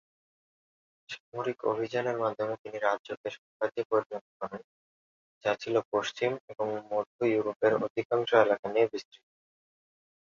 সামরিক অভিযানের মাধ্যমে তিনি রাজ্যকে সাম্রাজ্যে পরিণত করেন, যা ছিল পশ্চিম এবং মধ্য ইউরোপের অধিকাংশ এলাকা নিয়ে বিস্তৃত।